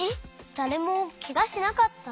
だれもケガしなかった？